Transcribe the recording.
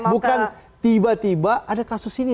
bukan tiba tiba ada kasus ini